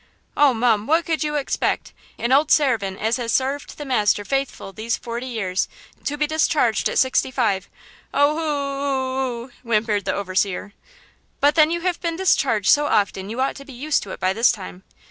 "Oh, mum, what could you expect? An old sarvint as has sarved the major faithful these forty years, to be discharged at sixty five! Oh, hoo ooo ooo!" whimpered the overseer. "But then you have been discharged so often you ought to be used to it by this time.